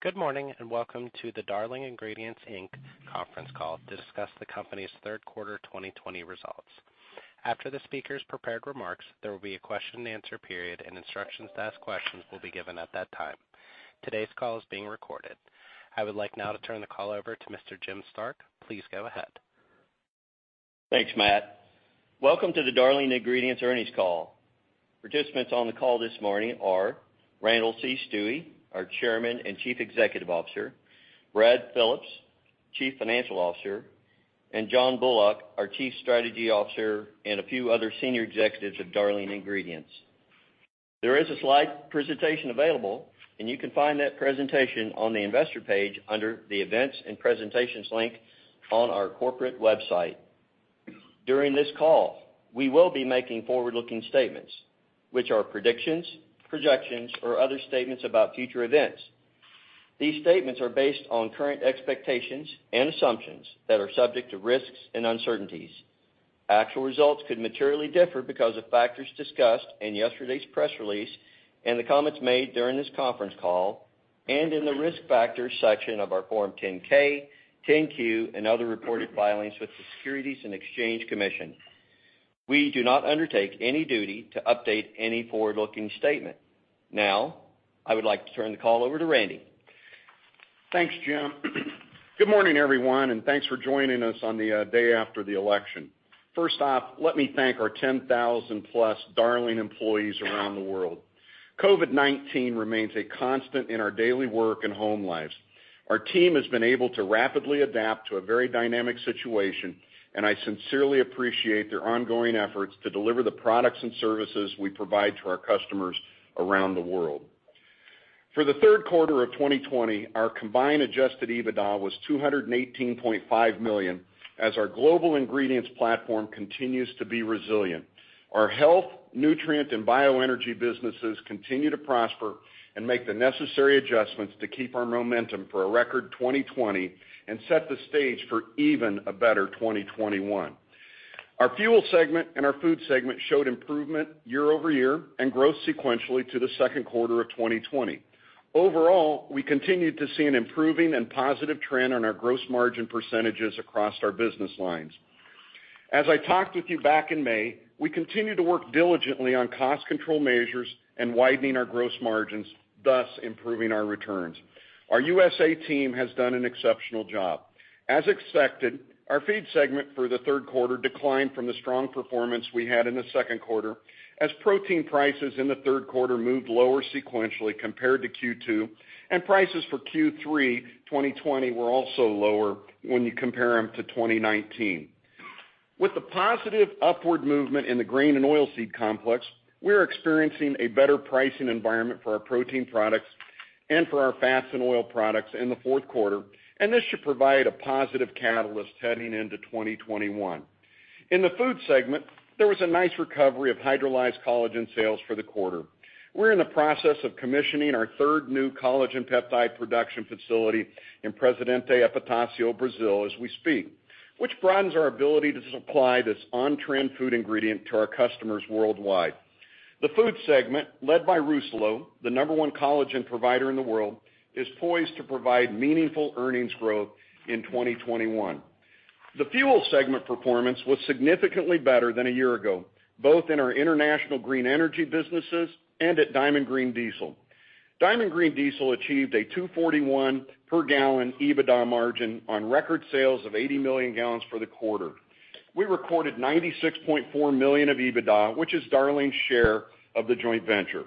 Good morning and welcome to the Darling Ingredients Inc Conference Call to discuss the company's third quarter 2020 results. After the speakers prepared remarks, there will be a question and answer period, and instructions to ask questions will be given at that time. Today's call is being recorded. I would like now to turn the call over to Mr. Jim Stark. Please go ahead. Thanks, Matt. Welcome to the Darling Ingredients Earnings Call. Participants on the call this morning are Randall C. Stuewe, our Chairman and Chief Executive Officer, Brad Phillips, Chief Financial Officer, and John Bullock, our Chief Strategy Officer, and a few other senior executives at Darling Ingredients. There is a slide presentation available, and you can find that presentation on the investor page under the events and presentations link on our corporate website. During this call, we will be making forward-looking statements, which are predictions, projections, or other statements about future events. These statements are based on current expectations and assumptions that are subject to risks and uncertainties. Actual results could materially differ because of factors discussed in yesterday's press release and the comments made during this conference call and in the risk factors section of our Form 10-K, 10-Q, and other reported filings with the Securities and Exchange Commission. We do not undertake any duty to update any forward-looking statement. Now, I would like to turn the call over to Randy. Thanks, Jim. Good morning, everyone, and thanks for joining us on the day after the election. First off, let me thank our 10,000-plus Darling employees around the world. COVID-19 remains a constant in our daily work and home lives. Our team has been able to rapidly adapt to a very dynamic situation, and I sincerely appreciate their ongoing efforts to deliver the products and services we provide to our customers around the world. For the third quarter of 2020, our combined adjusted EBITDA was $218.5 million, as our global ingredients platform continues to be resilient. Our health, nutrient, and bioenergy businesses continue to prosper and make the necessary adjustments to keep our momentum for a record 2020 and set the stage for even a better 2021. Our fuel segment and our food segment showed improvement year-over-year and growth sequentially to the second quarter of 2020. Overall, we continue to see an improving and positive trend on our gross margin percentages across our business lines. As I talked with you back in May, we continue to work diligently on cost control measures and widening our gross margins, thus improving our returns. Our USA team has done an exceptional job. As expected, our feed segment for the third quarter declined from the strong performance we had in the second quarter, as protein prices in the third quarter moved lower sequentially compared to Q2, and prices for Q3 2020 were also lower when you compare them to 2019. With the positive upward movement in the grain and oilseed complex, we are experiencing a better pricing environment for our protein products and for our fats and oil products in the fourth quarter, and this should provide a positive catalyst heading into 2021. In the food segment, there was a nice recovery of hydrolyzed collagen sales for the quarter. We're in the process of commissioning our third new collagen peptide production facility in Presidente Epitácio, Brazil, as we speak, which broadens our ability to supply this on-trend food ingredient to our customers worldwide. The food segment, led by Rousselot, the number one collagen provider in the world, is poised to provide meaningful earnings growth in 2021. The fuel segment performance was significantly better than a year ago, both in our international green energy businesses and at Diamond Green Diesel. Diamond Green Diesel achieved a $2.41 per gallon EBITDA margin on record sales of 80 million gallons for the quarter. We recorded $96.4 million of EBITDA, which is Darling's share of the joint venture.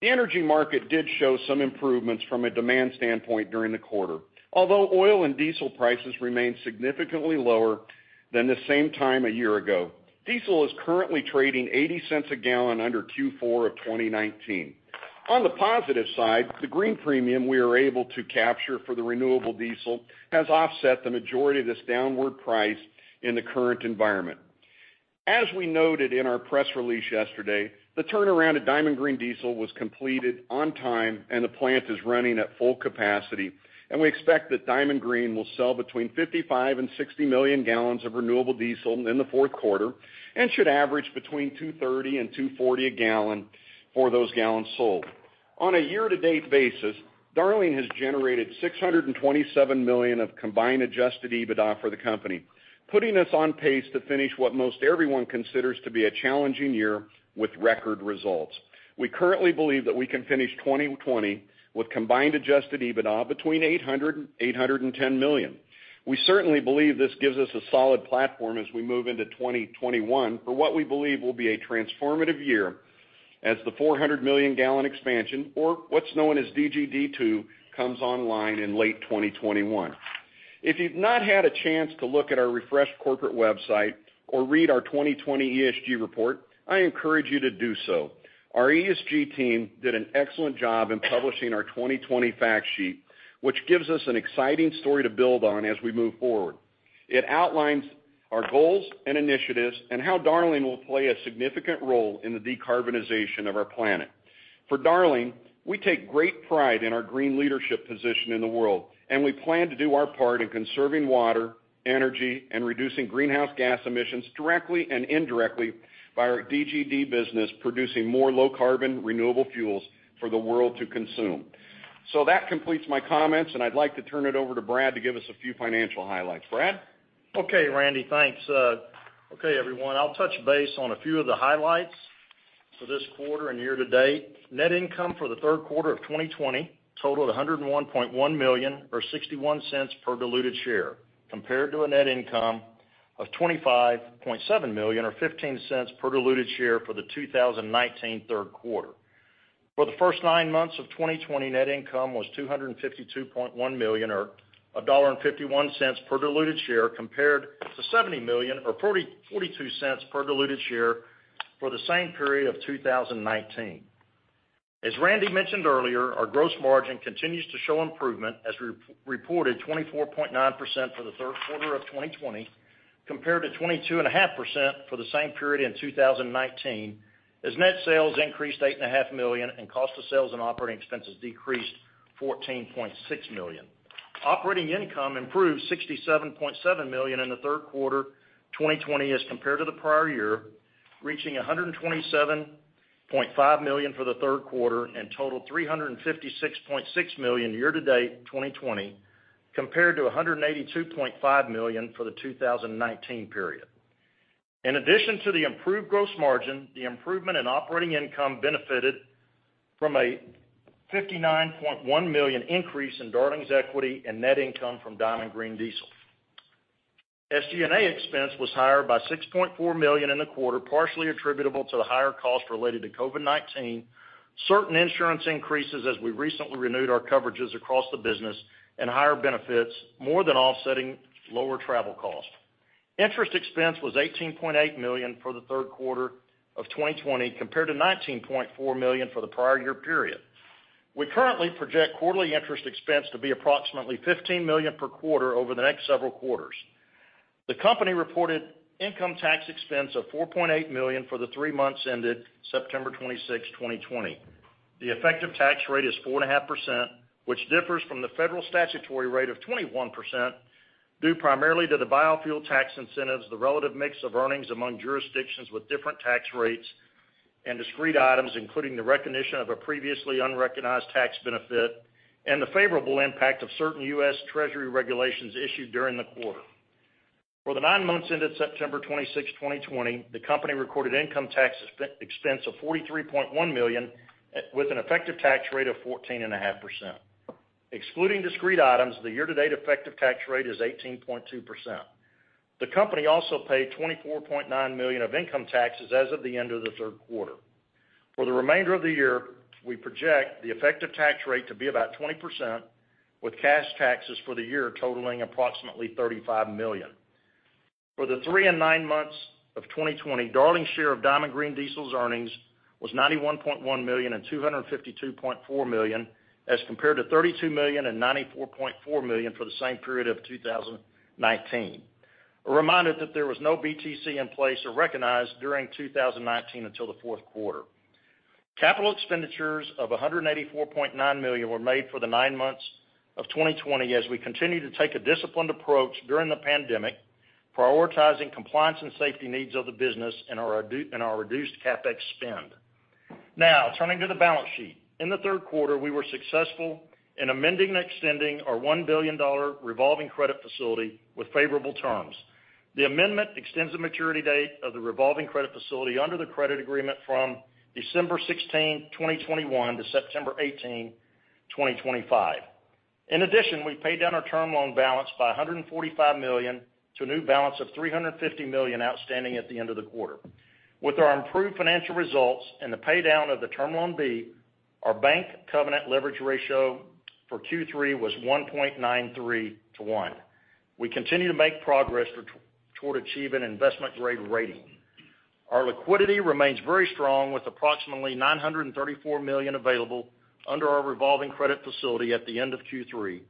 The energy market did show some improvements from a demand standpoint during the quarter, although oil and diesel prices remained significantly lower than the same time a year ago. Diesel is currently trading $0.80 a gallon under Q4 of 2019. On the positive side, the green premium we were able to capture for the renewable diesel has offset the majority of this downward price in the current environment. As we noted in our press release yesterday, the turnaround at Diamond Green Diesel was completed on time, and the plant is running at full capacity, and we expect that Diamond Green will sell between 55 million and 60 million gallons of renewable diesel in the fourth quarter and should average between $2.30 and $2.40 a gallon for those gallons sold. On a year-to-date basis, Darling has generated $627 million of combined adjusted EBITDA for the company, putting us on pace to finish what most everyone considers to be a challenging year with record results. We currently believe that we can finish 2020 with combined adjusted EBITDA between $800 million and $810 million. We certainly believe this gives us a solid platform as we move into 2021 for what we believe will be a transformative year as the 400 million gallon expansion, or what's known as DGD2, comes online in late 2021. If you've not had a chance to look at our refreshed corporate website or read our 2020 ESG report, I encourage you to do so. Our ESG team did an excellent job in publishing our 2020 fact sheet, which gives us an exciting story to build on as we move forward. It outlines our goals and initiatives and how Darling will play a significant role in the decarbonization of our planet. For Darling, we take great pride in our green leadership position in the world, and we plan to do our part in conserving water, energy, and reducing greenhouse gas emissions directly and indirectly by our DGD business, producing more low-carbon renewable fuels for the world to consume. So that completes my comments, and I'd like to turn it over to Brad to give us a few financial highlights. Brad? Okay, Randy, thanks. Okay, everyone, I'll touch base on a few of the highlights for this quarter and year-to-date. Net income for the third quarter of 2020 totaled $101.1 million, or $0.61 per diluted share, compared to a net income of $25.7 million, or $0.15 per diluted share for the 2019 third quarter. For the first nine months of 2020, net income was $252.1 million, or $1.51 per diluted share, compared to $70 million, or $0.42 per diluted share for the same period of 2019. As Randy mentioned earlier, our gross margin continues to show improvement, as we reported 24.9% for the third quarter of 2020, compared to 22.5% for the same period in 2019, as net sales increased $8.5 million and cost of sales and operating expenses decreased $14.6 million. Operating income improved $67.7 million in the third quarter 2020 as compared to the prior year, reaching $127.5 million for the third quarter and totaled $356.6 million year-to-date 2020, compared to $182.5 million for the 2019 period. In addition to the improved gross margin, the improvement in operating income benefited from a $59.1 million increase in Darling's equity and net income from Diamond Green Diesel. SG&A expense was higher by $6.4 million in the quarter, partially attributable to the higher cost related to COVID-19, certain insurance increases as we recently renewed our coverages across the business, and higher benefits more than offsetting lower travel cost. Interest expense was $18.8 million for the third quarter of 2020, compared to $19.4 million for the prior year period. We currently project quarterly interest expense to be approximately $15 million per quarter over the next several quarters. The company reported income tax expense of $4.8 million for the three months ended September 26, 2020. The effective tax rate is 4.5%, which differs from the federal statutory rate of 21%, due primarily to the biofuel tax incentives, the relative mix of earnings among jurisdictions with different tax rates, and discrete items, including the recognition of a previously unrecognized tax benefit, and the favorable impact of certain U.S. Treasury regulations issued during the quarter. For the nine months ended September 26, 2020, the company recorded income tax expense of $43.1 million with an effective tax rate of 14.5%. Excluding discrete items, the year-to-date effective tax rate is 18.2%. The company also paid $24.9 million of income taxes as of the end of the third quarter. For the remainder of the year, we project the effective tax rate to be about 20%, with cash taxes for the year totaling approximately $35 million. For the three and nine months of 2020, Darling's share of Diamond Green Diesel's earnings was $91.1 million and $252.4 million, as compared to $32 million and $94.4 million for the same period of 2019. A reminder that there was no BTC in place or recognized during 2019 until the fourth quarter. Capital expenditures of $184.9 million were made for the nine months of 2020 as we continue to take a disciplined approach during the pandemic, prioritizing compliance and safety needs of the business and our reduced CapEx spend. Now, turning to the balance sheet, in the third quarter, we were successful in amending and extending our $1 billion revolving credit facility with favorable terms. The amendment extends the maturity date of the revolving credit facility under the credit agreement from December 16, 2021, to September 18, 2025. In addition, we paid down our term loan balance by $145 million to a new balance of $350 million outstanding at the end of the quarter. With our improved financial results and the paydown of the Term Loan B, our bank covenant leverage ratio for Q3 was 1.93 to one. We continue to make progress toward achieving investment-grade rating. Our liquidity remains very strong, with approximately $934 million available under our revolving credit facility at the end of Q3,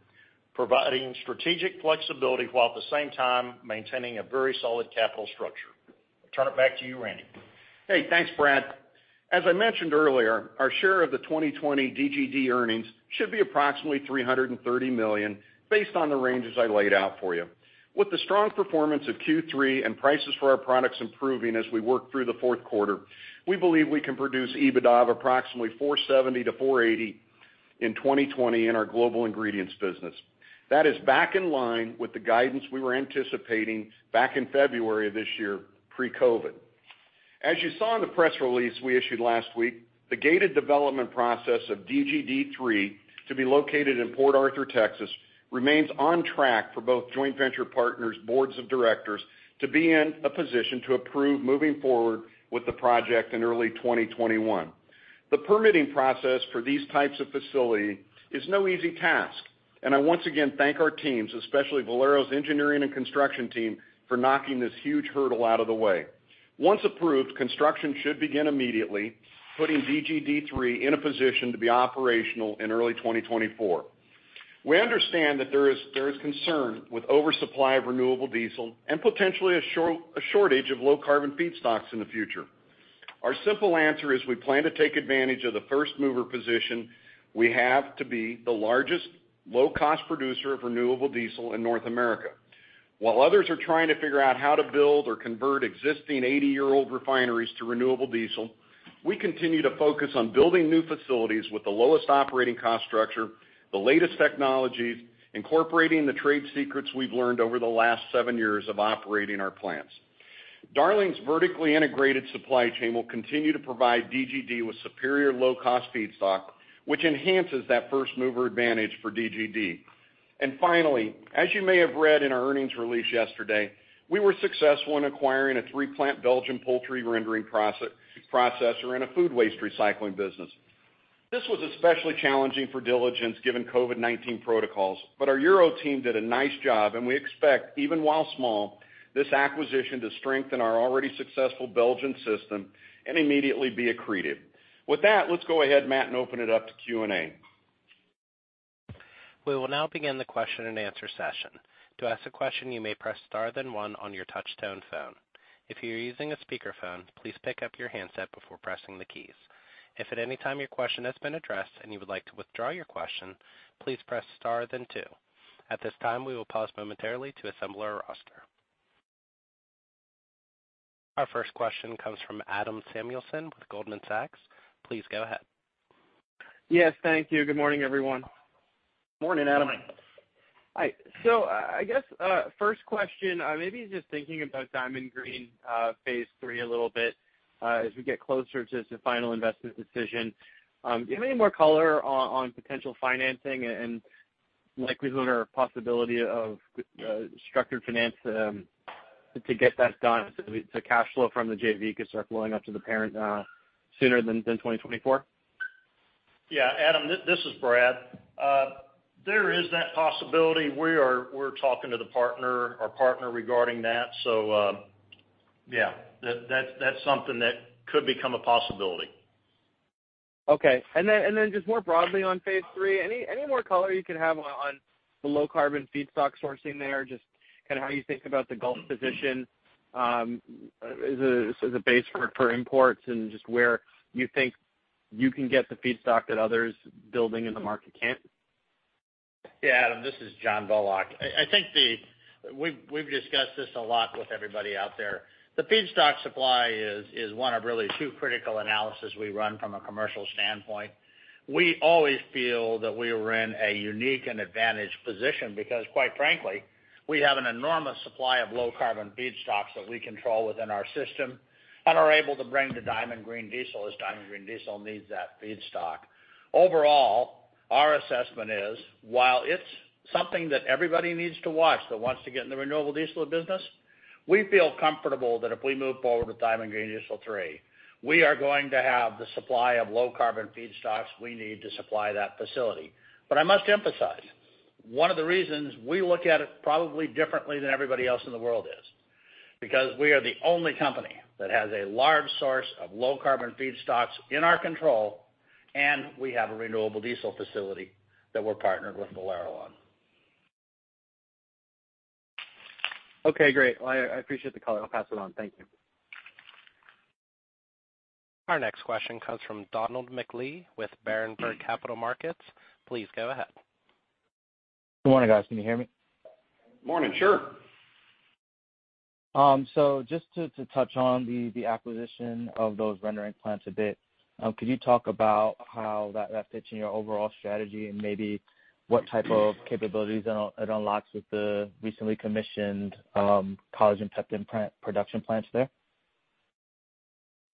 providing strategic flexibility while at the same time maintaining a very solid capital structure. I'll turn it back to you, Randy. Hey, thanks, Brad. As I mentioned earlier, our share of the 2020 DGD earnings should be approximately $330 million, based on the ranges I laid out for you. With the strong performance of Q3 and prices for our products improving as we work through the fourth quarter, we believe we can produce EBITDA of approximately $470 million-$480 million in 2020 in our global ingredients business. That is back in line with the guidance we were anticipating back in February of this year, pre-COVID. As you saw in the press release we issued last week, the gated development process of DGD3 to be located in Port Arthur, Texas, remains on track for both joint venture partners' boards of directors to be in a position to approve moving forward with the project in early 2021. The permitting process for these types of facilities is no easy task, and I once again thank our teams, especially Valero's engineering and construction team, for knocking this huge hurdle out of the way. Once approved, construction should begin immediately, putting DGD3 in a position to be operational in early 2024. We understand that there is concern with oversupply of renewable diesel and potentially a shortage of low-carbon feedstocks in the future. Our simple answer is we plan to take advantage of the first-mover position we have to be the largest low-cost producer of renewable diesel in North America. While others are trying to figure out how to build or convert existing 80-year-old refineries to renewable diesel, we continue to focus on building new facilities with the lowest operating cost structure, the latest technologies, incorporating the trade secrets we've learned over the last seven years of operating our plants. Darling's vertically integrated supply chain will continue to provide DGD with superior low-cost feedstock, which enhances that first-mover advantage for DGD. And finally, as you may have read in our earnings release yesterday, we were successful in acquiring a three-plant Belgian poultry rendering processor and a food waste recycling business. This was especially challenging for diligence given COVID-19 protocols, but our Euro team did a nice job, and we expect, even while small, this acquisition to strengthen our already successful Belgian system and immediately be accretive. With that, let's go ahead, Matt, and open it up to Q&A. We will now begin the question-and-answer session. To ask a question, you may press star then one on your touch-tone phone. If you're using a speakerphone, please pick up your handset before pressing the keys. If at any time your question has been addressed and you would like to withdraw your question, please press star then two. At this time, we will pause momentarily to assemble our roster. Our first question comes from Adam Samuelson with Goldman Sachs. Please go ahead. Yes, thank you. Good morning, everyone. Morning, Adam. Morning. Hi. So I guess first question, maybe just thinking about Diamond Green phase III a little bit as we get closer to the final investment decision. Do you have any more color on potential financing and likelihood or possibility of structured finance to get that done so that cash flow from the JV could start flowing up to the parent sooner than 2024? Yeah, Adam, this is Brad. There is that possibility. We're talking to our partner regarding that. So yeah, that's something that could become a possibility. Okay. And then just more broadly on phase III, any more color you can have on the low-carbon feedstock sourcing there, just kind of how you think about the Gulf position as a base for imports and just where you think you can get the feedstock that others building in the market can't? Yeah, Adam, this is John Bullock. I think we've discussed this a lot with everybody out there. The feedstock supply is one of really two critical analyses we run from a commercial standpoint. We always feel that we are in a unique and advantaged position because, quite frankly, we have an enormous supply of low-carbon feedstocks that we control within our system and are able to bring to Diamond Green Diesel as Diamond Green Diesel needs that feedstock. Overall, our assessment is, while it's something that everybody needs to watch that wants to get in the renewable diesel business, we feel comfortable that if we move forward with Diamond Green Diesel Three, we are going to have the supply of low-carbon feedstocks we need to supply that facility. But I must emphasize, one of the reasons we look at it probably differently than everybody else in the world is because we are the only company that has a large source of low-carbon feedstocks in our control, and we have a renewable diesel facility that we're partnered with Valero on. Okay, great. I appreciate the color. I'll pass it on. Thank you. Our next question comes from Donald McLee with Berenberg Capital Markets. Please go ahead. Good morning, guys. Can you hear me? Morning, sure. Just to touch on the acquisition of those rendering plants a bit, could you talk about how that fits in your overall strategy and maybe what type of capabilities it unlocks with the recently commissioned collagen and Peptan production plants there?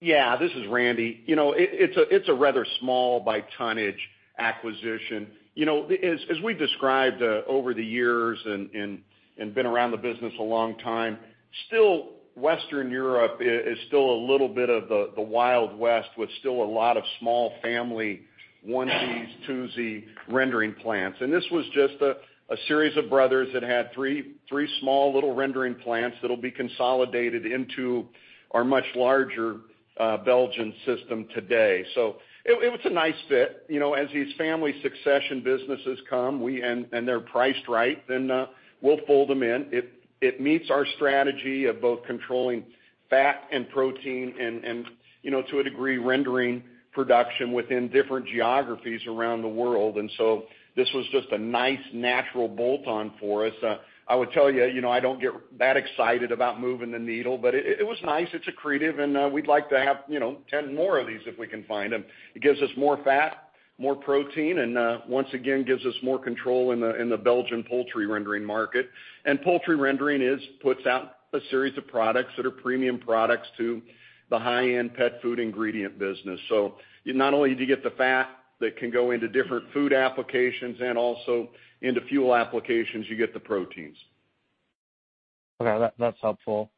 Yeah, this is Randy. It's a rather small-by-tonnage acquisition. As we've described over the years and been around the business a long time, Western Europe is still a little bit of the Wild West with still a lot of small family onesies, twosie rendering plants. And this was just a series of brothers that had three small little rendering plants that will be consolidated into our much larger Belgian system today. So it was a nice fit. As these family succession businesses come and they're priced right, then we'll fold them in. It meets our strategy of both controlling fat and protein and, to a degree, rendering production within different geographies around the world. And so this was just a nice natural bolt-on for us. I would tell you, I don't get that excited about moving the needle, but it was nice. It's acquired, and we'd like to have 10 more of these if we can find them. It gives us more fat, more protein, and once again, gives us more control in the Belgian poultry rendering market, and poultry rendering puts out a series of products that are premium products to the high-end pet food ingredient business, so not only do you get the fat that can go into different food applications and also into fuel applications, you get the proteins. Okay, that's helpful.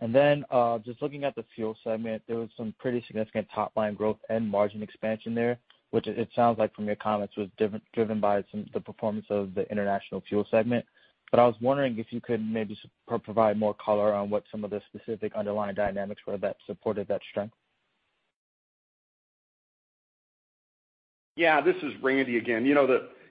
And then just looking at the fuel segment, there was some pretty significant top-line growth and margin expansion there, which it sounds like from your comments was driven by the performance of the international fuel segment. But I was wondering if you could maybe provide more color on what some of the specific underlying dynamics were that supported that strength. Yeah, this is Randy again.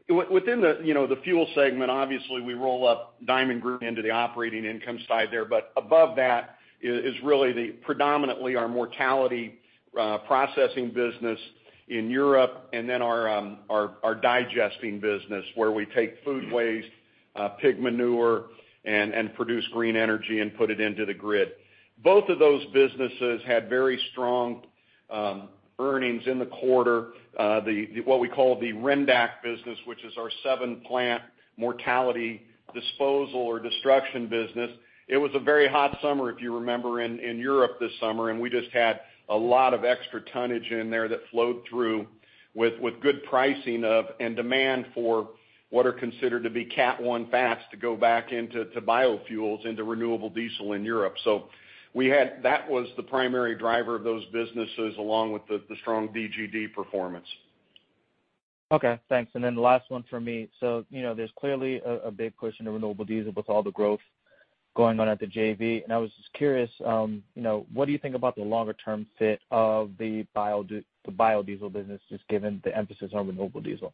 Within the fuel segment, obviously, we roll up Diamond Green into the operating income side there. But above that is really predominantly our mortality processing business in Europe and then our digesting business where we take food waste, pig manure, and produce green energy and put it into the grid. Both of those businesses had very strong earnings in the quarter. What we call the Rendac business, which is our seven-plant mortality disposal or destruction business. It was a very hot summer, if you remember, in Europe this summer, and we just had a lot of extra tonnage in there that flowed through with good pricing and demand for what are considered to be Cat-1 fats to go back into biofuels into renewable diesel in Europe. So that was the primary driver of those businesses along with the strong DGD performance. Okay, thanks. And then the last one for me. So there's clearly a big push into renewable diesel with all the growth going on at the JV. And I was just curious, what do you think about the longer-term fit of the biodiesel business, just given the emphasis on renewable diesel?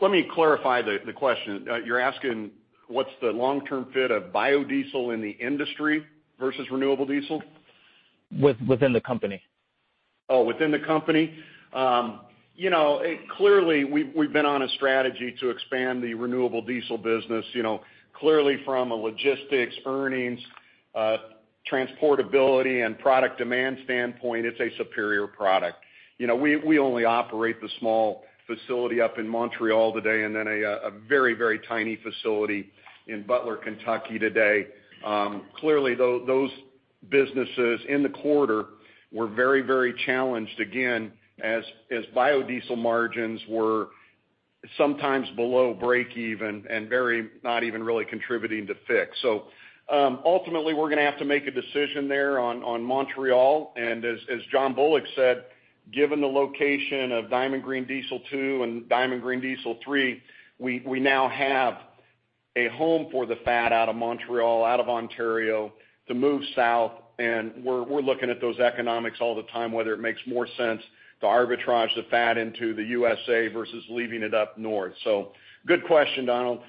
Let me clarify the question. You're asking what's the long-term fit of biodiesel in the industry versus renewable diesel? Within the company. Oh, within the company? Clearly, we've been on a strategy to expand the renewable diesel business. Clearly, from a logistics, earnings, transportability, and product demand standpoint, it's a superior product. We only operate the small facility up in Montreal today and then a very, very tiny facility in Butler, Kentucky today. Clearly, those businesses in the quarter were very, very challenged, again, as biodiesel margins were sometimes below break-even and not even really contributing to fix, so ultimately we're going to have to make a decision there on Montreal, and as John Bullock said, given the location of Diamond Green Diesel Two and Diamond Green Diesel Three, we now have a home for the fat out of Montreal, out of Ontario, to move south, and we're looking at those economics all the time, whether it makes more sense to arbitrage the fat into the USA versus leaving it up north. So good question, Donald.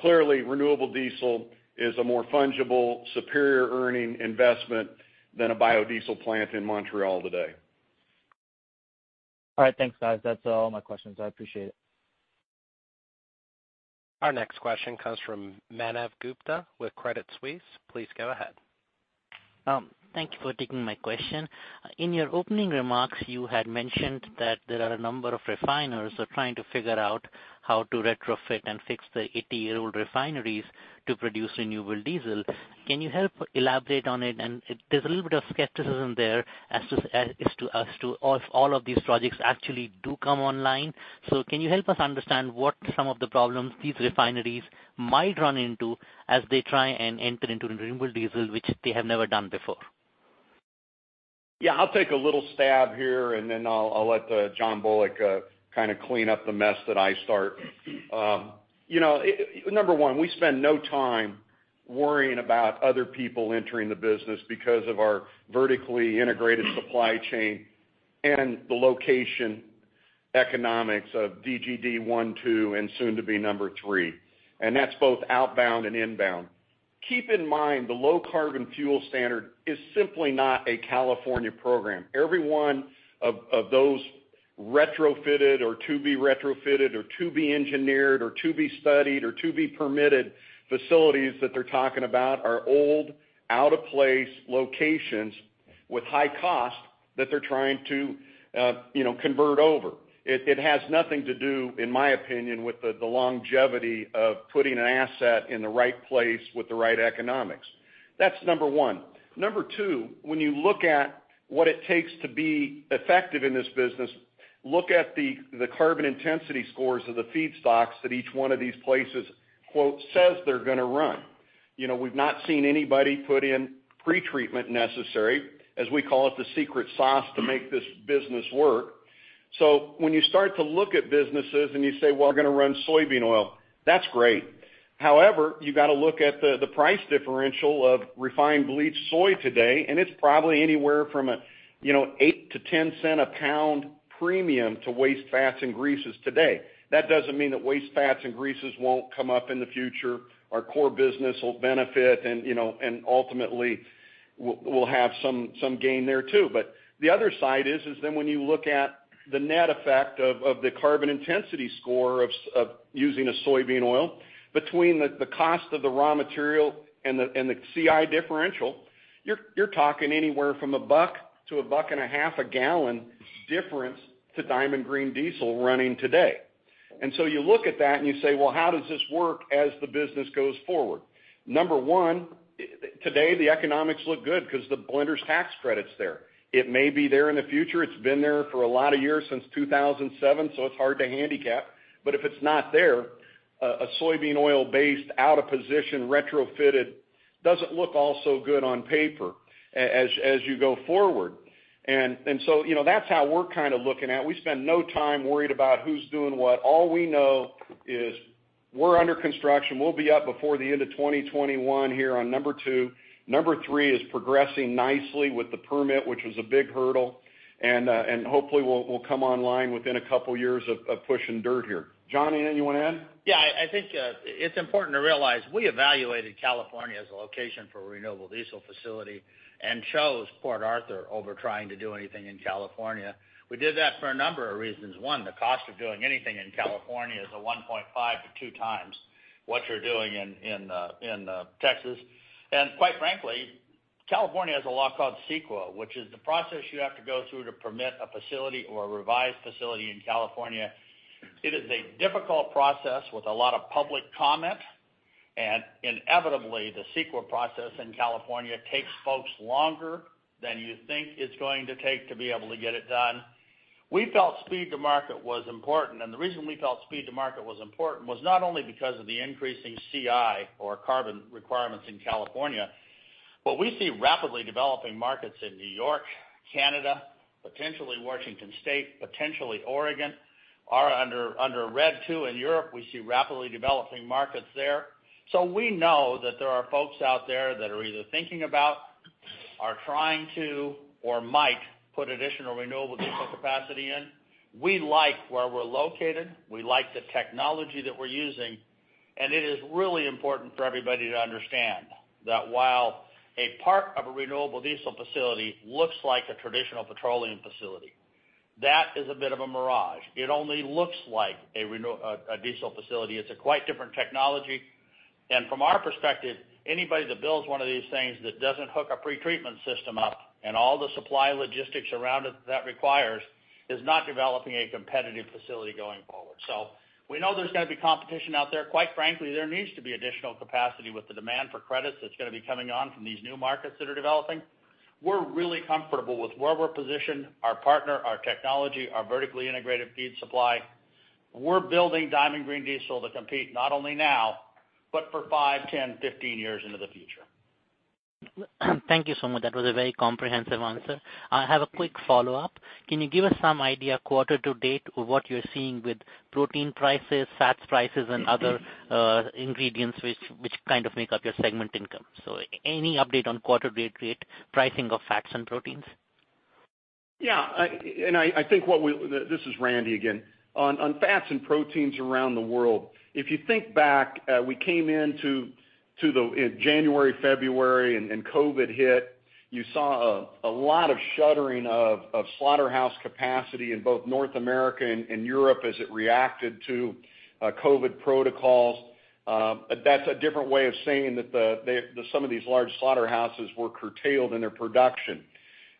Clearly, renewable diesel is a more fungible, superior earning investment than a biodiesel plant in Montreal today. All right, thanks, guys. That's all my questions. I appreciate it. Our next question comes from Manav Gupta with Credit Suisse. Please go ahead. Thank you for taking my question. In your opening remarks, you had mentioned that there are a number of refiners who are trying to figure out how to retrofit and fix the 80-year-old refineries to produce renewable diesel. Can you help elaborate on it? And there's a little bit of skepticism there as to if all of these projects actually do come online. So can you help us understand what some of the problems these refineries might run into as they try and enter into renewable diesel, which they have never done before? Yeah, I'll take a little stab here, and then I'll let John Bullock kind of clean up the mess that I start. Number one, we spend no time worrying about other people entering the business because of our vertically integrated supply chain and the location economics of DGD One, Two, and soon to be Number Three. And that's both outbound and inbound. Keep in mind, the Low Carbon Fuel Standard is simply not a California program. Every one of those retrofitted or to be retrofitted or to be engineered or to be studied or to be permitted facilities that they're talking about are old, out-of-place locations with high cost that they're trying to convert over. It has nothing to do, in my opinion, with the longevity of putting an asset in the right place with the right economics. That's number one. Number two, when you look at what it takes to be effective in this business, look at the carbon intensity scores of the feedstocks that each one of these places "says" they're going to run. We've not seen anybody put in pretreatment necessary, as we call it, the secret sauce to make this business work. So when you start to look at businesses and you say, "Well, we're going to run soybean oil," that's great. However, you've got to look at the price differential of refined bleached soy today, and it's probably anywhere from an eight to 10-cent a pound premium to waste fats and greases today. That doesn't mean that waste fats and greases won't come up in the future. Our core business will benefit, and ultimately, we'll have some gain there too. But the other side is then when you look at the net effect of the carbon intensity score of using a soybean oil between the cost of the raw material and the CI differential, you're talking anywhere from $1-$1.50 a gallon difference to Diamond Green Diesel running today. And so you look at that and you say, "Well, how does this work as the business goes forward?" Number one, today, the economics look good because the Blender's Tax Credit's there. It may be there in the future. It's been there for a lot of years since 2007, so it's hard to handicap. But if it's not there, a soybean oil-based, out-of-position retrofitted doesn't look all so good on paper as you go forward. And so that's how we're kind of looking at it. We spend no time worried about who's doing what. All we know is we're under construction. We'll be up before the end of 2021 here on Number Two. Number Three is progressing nicely with the permit, which was a big hurdle. And hopefully, we'll come online within a couple of years of pushing dirt here. John, anyone add? Yeah, I think it's important to realize we evaluated California as a location for a renewable diesel facility and chose Port Arthur over trying to do anything in California. We did that for a number of reasons. One, the cost of doing anything in California is 1.5-2 times what you're doing in Texas. And quite frankly, California has a law called CEQA, which is the process you have to go through to permit a facility or a revised facility in California. It is a difficult process with a lot of public comment. And inevitably, the CEQA process in California takes folks longer than you think it's going to take to be able to get it done. We felt speed to market was important. The reason we felt speed to market was important was not only because of the increasing CI or carbon requirements in California, but we see rapidly developing markets in New York, Canada, potentially Washington State, potentially Oregon, are under RED II. In Europe, we see rapidly developing markets there. We know that there are folks out there that are either thinking about, are trying to, or might put additional renewable diesel capacity in. We like where we're located. We like the technology that we're using. It is really important for everybody to understand that while a part of a renewable diesel facility looks like a traditional petroleum facility, that is a bit of a mirage. It only looks like a diesel facility. It's a quite different technology. From our perspective, anybody that builds one of these things that doesn't hook a pretreatment system up and all the supply logistics around it that requires is not developing a competitive facility going forward. So we know there's going to be competition out there. Quite frankly, there needs to be additional capacity with the demand for credits that's going to be coming on from these new markets that are developing. We're really comfortable with where we're positioned, our partner, our technology, our vertically integrated feed supply. We're building Diamond Green Diesel to compete not only now, but for five, 10, 15 years into the future. Thank you so much. That was a very comprehensive answer. I have a quick follow-up. Can you give us some idea, quarter-to-date, of what you're seeing with protein prices, fats prices, and other ingredients which kind of make up your segment income? So any update on quarter to date pricing of fats and proteins? Yeah. And I think what we, this is Randy again, on fats and proteins around the world, if you think back, we came into January, February, and COVID hit. You saw a lot of shuttering of slaughterhouse capacity in both North America and Europe as it reacted to COVID protocols. That's a different way of saying that some of these large slaughterhouses were curtailed in their production.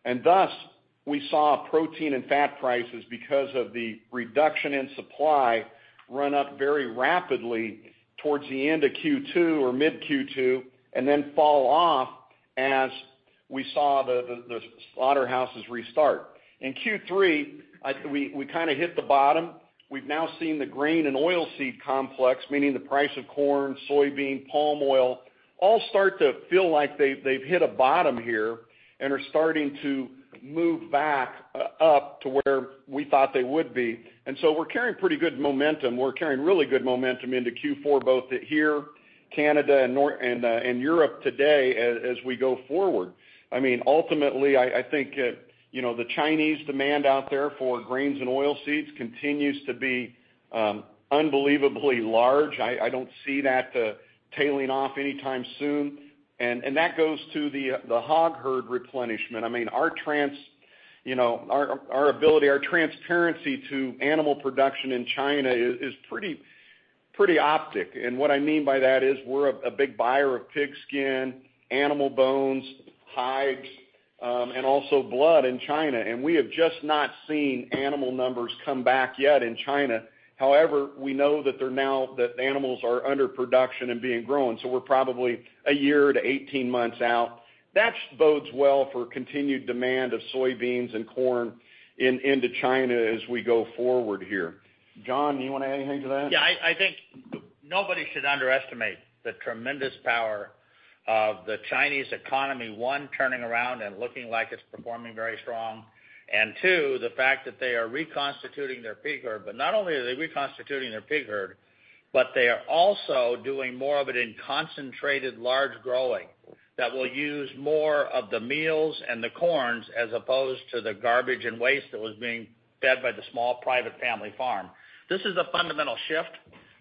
And thus, we saw protein and fat prices because of the reduction in supply run up very rapidly towards the end of Q2 or mid-Q2 and then fall off as we saw the slaughterhouses restart. In Q3, we kind of hit the bottom. We've now seen the grain and oilseed complex, meaning the price of corn, soybean, palm oil, all start to feel like they've hit a bottom here and are starting to move back up to where we thought they would be. And so we're carrying pretty good momentum. We're carrying really good momentum into Q4, both here, Canada, and Europe today as we go forward. I mean, ultimately, I think the Chinese demand out there for grains and oilseeds continues to be unbelievably large. I don't see that tailing off anytime soon. And that goes to the hog herd replenishment. I mean, our ability, our transparency to animal production in China is pretty opaque. And what I mean by that is we're a big buyer of pig skin, animal bones, hides, and also blood in China. And we have just not seen animal numbers come back yet in China. However, we know that animals are under production and being grown. So we're probably a year to 18 months out. That bodes well for continued demand of soybeans and corn into China as we go forward here. John, do you want to add anything to that? Yeah. I think nobody should underestimate the tremendous power of the Chinese economy, one, turning around and looking like it's performing very strong, and two, the fact that they are reconstituting their pig herd. But not only are they reconstituting their pig herd, but they are also doing more of it in concentrated large growing that will use more of the meals and the corns as opposed to the garbage and waste that was being fed by the small private family farm. This is a fundamental shift.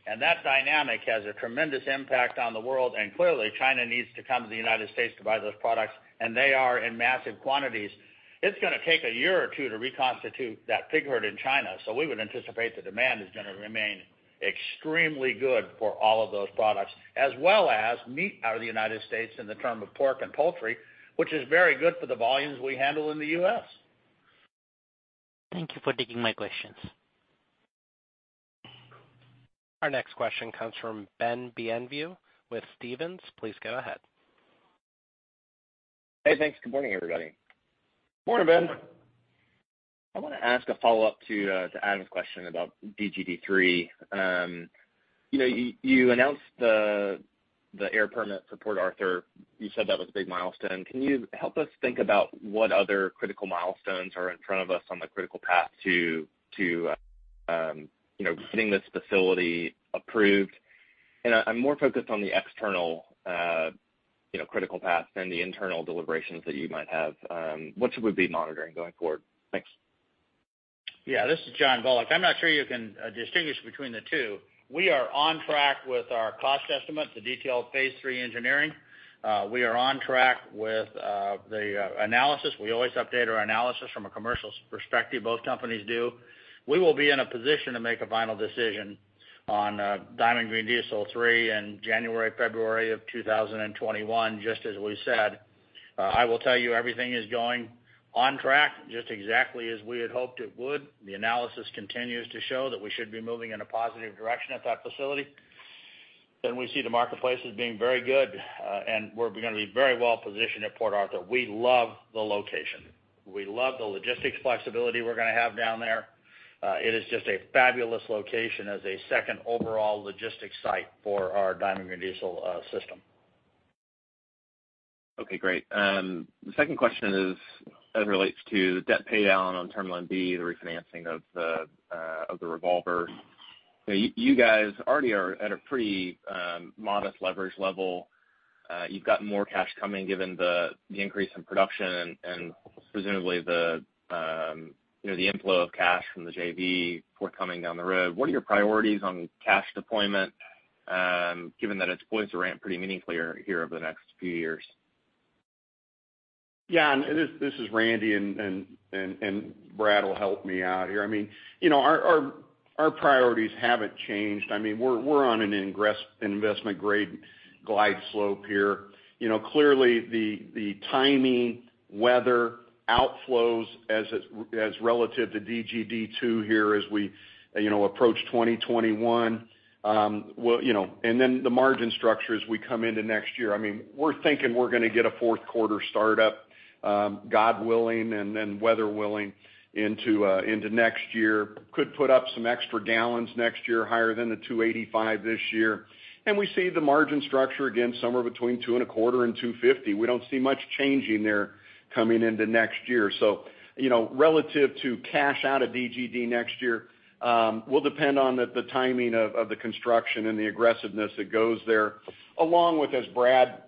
And that dynamic has a tremendous impact on the world. And clearly, China needs to come to the United States to buy those products. And they are in massive quantities. It's going to take a year or two to reconstitute that pig herd in China. We would anticipate the demand is going to remain extremely good for all of those products, as well as meat out of the United States in terms of pork and poultry, which is very good for the volumes we handle in the U.S. Thank you for taking my questions. Our next question comes from Ben Bienvenu with Stephens. Please go ahead. Hey, thanks. Good morning, everybody. Morning, Ben. I want to ask a follow-up to Adam's question about DGD Three. You announced the air permit for Port Arthur. You said that was a big milestone. Can you help us think about what other critical milestones are in front of us on the critical path to getting this facility approved? And I'm more focused on the external critical path than the internal deliberations that you might have. What should we be monitoring going forward? Thanks. Yeah, this is John Bullock. I'm not sure you can distinguish between the two. We are on track with our cost estimate, the detailed phase III engineering. We are on track with the analysis. We always update our analysis from a commercial perspective. Both companies do. We will be in a position to make a final decision on Diamond Green Diesel Three in January, February of 2021, just as we said. I will tell you everything is going on track just exactly as we had hoped it would. The analysis continues to show that we should be moving in a positive direction at that facility. And we see the marketplace as being very good. And we're going to be very well positioned at Port Arthur. We love the location. We love the logistics flexibility we're going to have down there. It is just a fabulous location as a second overall logistics site for our Diamond Green Diesel system. Okay, great. The second question is as it relates to the debt paydown on Term Loan B, the refinancing of the revolver. You guys already are at a pretty modest leverage level. You've got more cash coming given the increase in production and presumably the inflow of cash from the JV forthcoming down the road. What are your priorities on cash deployment given that it's going to ramp pretty meaningfully here over the next few years? Yeah. And this is Randy, and Brad will help me out here. I mean, our priorities haven't changed. I mean, we're on an investment-grade glide slope here. Clearly, the timing, weather, outflows as relative to DGD 2 here as we approach 2021. And then the margin structure as we come into next year. I mean, we're thinking we're going to get a fourth quarter startup, God willing and weather willing, into next year. Could put up some extra gallons next year, higher than the 285 this year. And we see the margin structure again somewhere between $2.25 and $2.50. We don't see much changing there coming into next year. Relative to cash out of DGD next year, we'll depend on the timing of the construction and the aggressiveness that goes there, along with, as Brad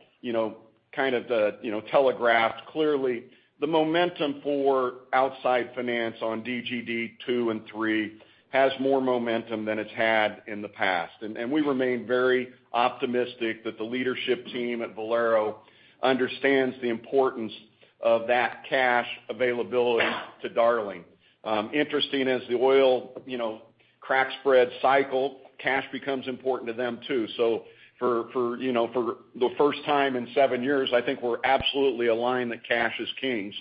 kind of telegraphed, clearly, the momentum for outside finance on DGD Two and Three has more momentum than it's had in the past. We remain very optimistic that the leadership team at Valero understands the importance of that cash availability to Darling. Interesting, as the oil crack spread cycle, cash becomes important to them too. For the first time in seven years, I think we're absolutely aligned that cash is king.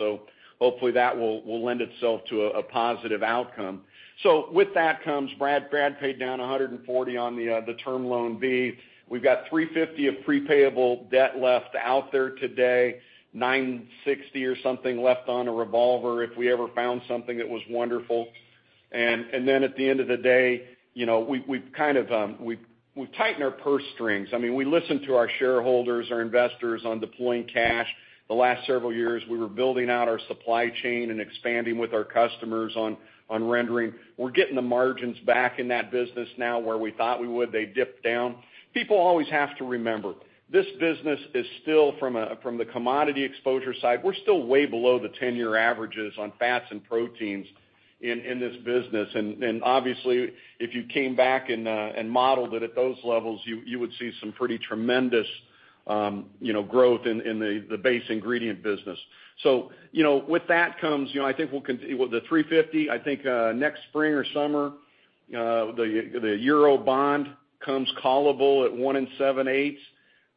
Hopefully, that will lend itself to a positive outcome. With that comes, Brad paid down $140 on the Term Loan B. We've got $350 of pre-payable debt left out there today, $960 or something left on a revolver if we ever found something that was wonderful. And then at the end of the day, we've kind of tightened our purse strings. I mean, we listen to our shareholders, our investors on deploying cash. The last several years, we were building out our supply chain and expanding with our customers on rendering. We're getting the margins back in that business now where we thought we would. They dipped down. People always have to remember, this business is still from the commodity exposure side. We're still way below the 10-year averages on fats and proteins in this business. And obviously, if you came back and modeled it at those levels, you would see some pretty tremendous growth in the base ingredient business. So with that comes, I think we'll continue with the 350. I think next spring or summer, the Eurobond comes callable at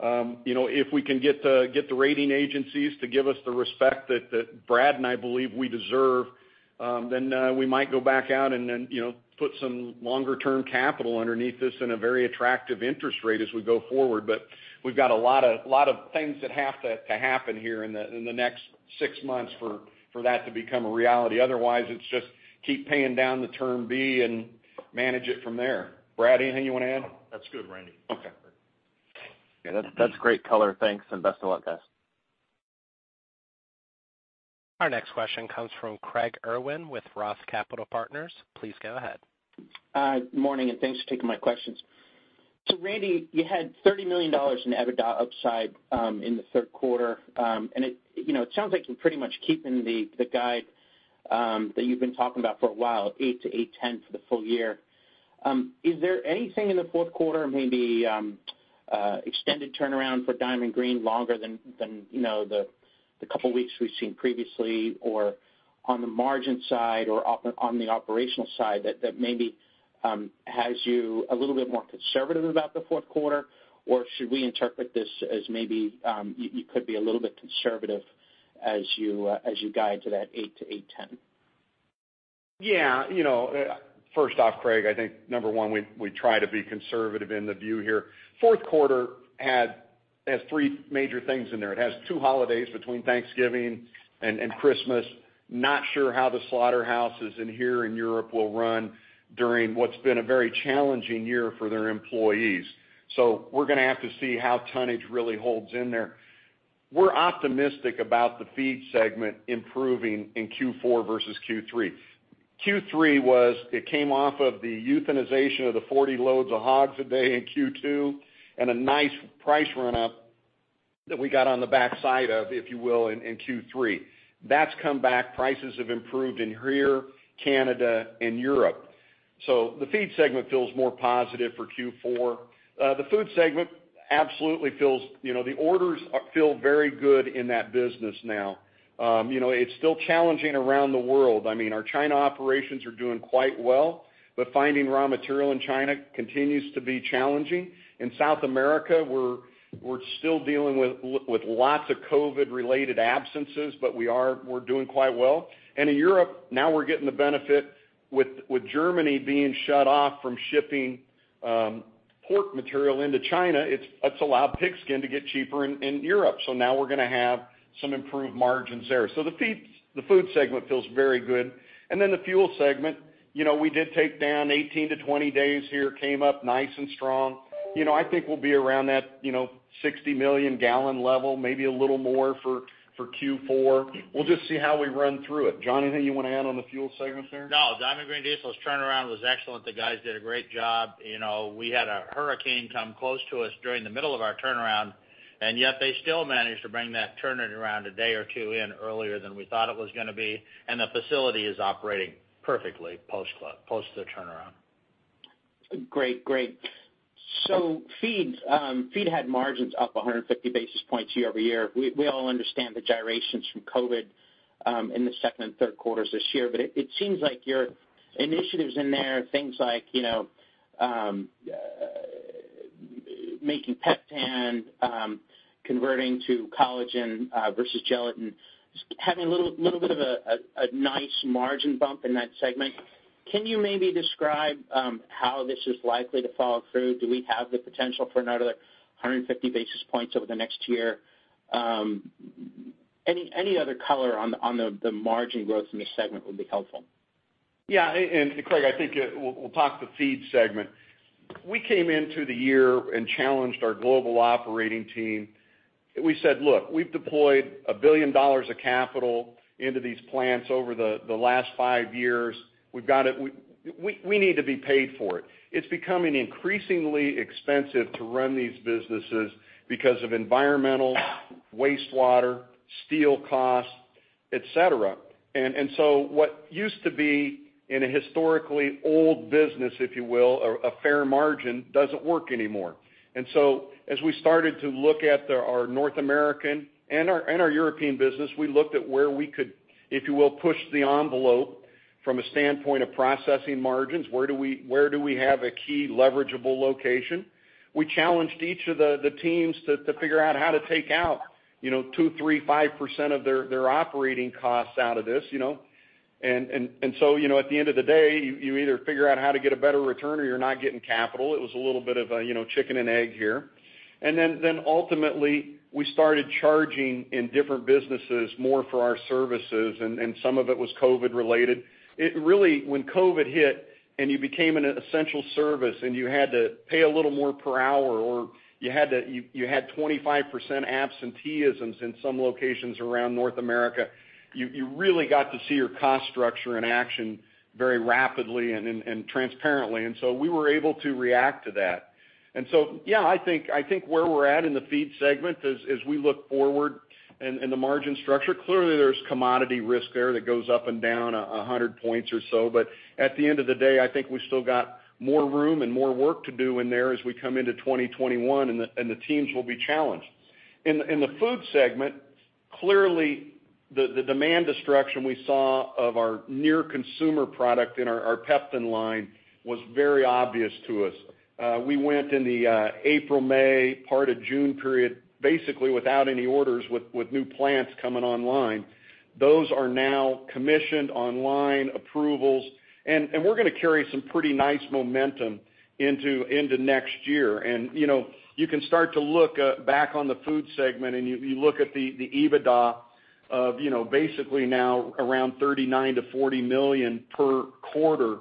1.87%. If we can get the rating agencies to give us the respect that Brad and I believe we deserve, then we might go back out and put some longer-term capital underneath this in a very attractive interest rate as we go forward. But we've got a lot of things that have to happen here in the next six months for that to become a reality. Otherwise, it's just keep paying down the Term B and manage it from there. Brad, anything you want to add? That's good, Randy. Okay. Yeah, that's great color. Thanks and best of luck, guys. Our next question comes from Craig Irwin with Roth Capital Partners. Please go ahead. Good morning and thanks for taking my questions, so Randy, you had $30 million in EBITDA upside in the third quarter, and it sounds like you're pretty much keeping the guide that you've been talking about for a while, eight to 8.10 for the full year. Is there anything in the fourth quarter, maybe extended turnaround for Diamond Green longer than the couple of weeks we've seen previously, or on the margin side or on the operational side that maybe has you a little bit more conservative about the fourth quarter? Or should we interpret this as maybe you could be a little bit more conservative as you guide to that eight to 8.10? Yeah. First off, Craig, I think number one, we try to be conservative in the view here. Fourth quarter has three major things in there. It has two holidays between Thanksgiving and Christmas. Not sure how the slaughterhouses in here in Europe will run during what's been a very challenging year for their employees. So we're going to have to see how tonnage really holds in there. We're optimistic about the feed segment improving in Q4 versus Q3. Q3 was it came off of the euthanization of the 40 loads of hogs a day in Q2 and a nice price run-up that we got on the backside of, if you will, in Q3. That's come back. Prices have improved in here, Canada, and Europe. So the feed segment feels more positive for Q4. The food segment absolutely feels the orders feel very good in that business now. It's still challenging around the world. I mean, our China operations are doing quite well, but finding raw material in China continues to be challenging. In South America, we're still dealing with lots of COVID-related absences, but we're doing quite well. And in Europe, now we're getting the benefit with Germany being shut off from shipping pork material into China. It's allowed pig skin to get cheaper in Europe. So now we're going to have some improved margins there. So the food segment feels very good. And then the fuel segment, we did take down 18-20 days here, came up nice and strong. I think we'll be around that 60 million gallon level, maybe a little more for Q4. We'll just see how we run through it. John, anything you want to add on the fuel segment there? No, Diamond Green Diesel's turnaround was excellent. The guys did a great job. We had a hurricane come close to us during the middle of our turnaround, and yet they still managed to bring that turnaround a day or two in earlier than we thought it was going to be. And the facility is operating perfectly post the turnaround. Great, great. So feed had margins up 150 basis points year-over-year. We all understand the gyrations from COVID in the second and third quarters this year, but it seems like your initiatives in there, things like making Peptan, converting to collagen versus gelatin, having a little bit of a nice margin bump in that segment. Can you maybe describe how this is likely to follow through? Do we have the potential for another 150 basis points over the next year? Any other color on the margin growth in the segment would be helpful. Yeah. And Craig, I think we'll talk the feed segment. We came into the year and challenged our global operating team. We said, "Look, we've deployed $1 billion of capital into these plants over the last five years. We need to be paid for it." It's becoming increasingly expensive to run these businesses because of environmental, wastewater, steel costs, etc. And so what used to be in a historically old business, if you will, a fair margin doesn't work anymore. And so as we started to look at our North American and our European business, we looked at where we could, if you will, push the envelope from a standpoint of processing margins. Where do we have a key leverageable location? We challenged each of the teams to figure out how to take out 2%, 3%, 5% of their operating costs out of this. And so at the end of the day, you either figure out how to get a better return or you're not getting capital. It was a little bit of a chicken and egg here. And then ultimately, we started charging in different businesses more for our services, and some of it was COVID-related. Really, when COVID hit and you became an essential service and you had to pay a little more per hour or you had 25% absenteeism in some locations around North America, you really got to see your cost structure in action very rapidly and transparently. And so we were able to react to that. And so, yeah, I think where we're at in the feed segment as we look forward and the margin structure, clearly there's commodity risk there that goes up and down 100 points or so. But at the end of the day, I think we still got more room and more work to do in there as we come into 2021, and the teams will be challenged. In the food segment, clearly the demand destruction we saw of our near-consumer product in our Peptan line was very obvious to us. We went in the April, May, part of June period, basically without any orders with new plants coming online. Those are now commissioned online approvals, and we're going to carry some pretty nice momentum into next year. And you can start to look back on the food segment, and you look at the EBITDA of basically now around $39 million-$40 million per quarter.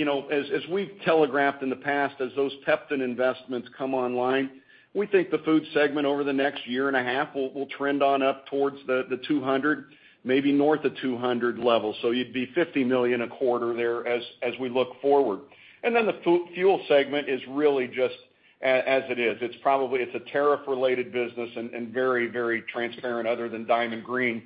As we've telegraphed in the past, as those Peptan investments come online, we think the food segment over the next year and a half will trend on up towards the $200, maybe north of $200 level. So you'd be $50 million a quarter there as we look forward. And then the fuel segment is really just as it is. It's a tariff-related business and very, very transparent other than Diamond Green.